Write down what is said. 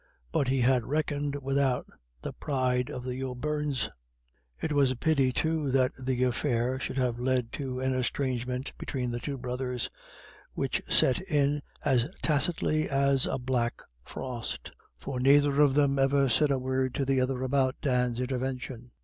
But he had reckoned without the pride of the O'Beirnes. It was a pity, too, that the affair should have led to an estrangement between the two brothers, which set in as tacitly as a black frost, for neither of them ever said a word to the other about Dan's intervention.